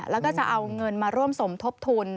แล้วก็จะเอาเงินมาร่วมสมทบทุน